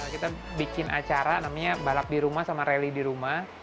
kita bikin acara namanya balap di rumah sama rally di rumah